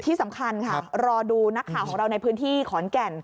ที่สำคัญค่ะรอดูนักข่าวของเราในพื้นที่ขอนแก่น